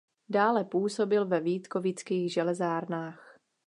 Dále působil ve Vítkovických železárnách.